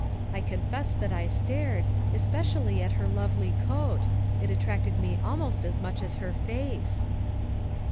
I confess that I stared, espe cially at her lovely coat; it attracted me almost as much as her face."